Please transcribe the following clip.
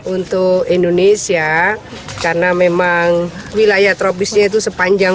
untuk indonesia karena memang wilayah tropisnya itu sepanjang